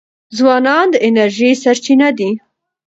ځوانان د انرژی سرچینه دي.